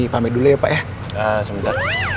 pamit dulu ya pak ya sebentar